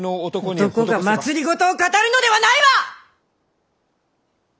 男が政を語るのではないわぁ！